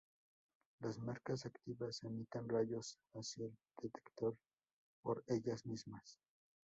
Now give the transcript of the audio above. Las marcas activas emiten rayos hacia el detector por ellas mismas.